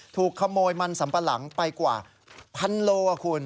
ถูกขโมยมันสัมปะหลังไปกว่าพันโลคุณ